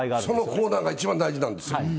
そのコーナーが一番大事なんですよ。